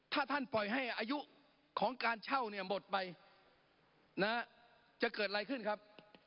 ถ้าท่านปล่อยให้อายุของการเช่าเนี่ยหมดไปจะเกิดอะไรขึ้นครับ